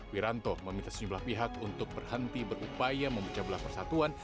wiranto meminta sejumlah pihak untuk berhenti berupaya memecah belah persatuan